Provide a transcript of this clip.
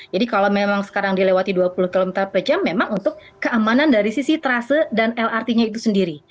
jadi kalau memang sekarang dilewati dua puluh km per jam memang untuk keamanan dari sisi trase dan lrt nya itu sendiri